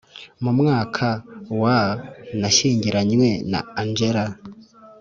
Mu mwaka wa nashyingiranywe na Angela